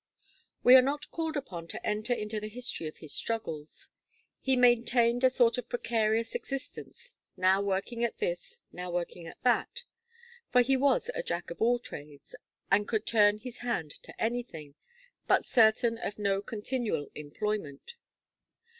We are not called upon to enter into the history of his struggles. He maintained a sort of precarious existence, now working at this, now working at that; for he was a Jack of all trades, and could torn his hand to anything, but certain of no continual employment.